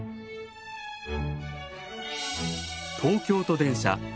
東京都電車